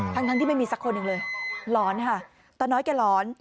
ทั้งที่ไม่มีสักคนหนึ่งเลยหลอนค่ะตาน้อยแกหลอน